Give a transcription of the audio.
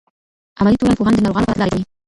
عملي ټولنپوهان د ناروغانو لپاره تګلارې جوړوي.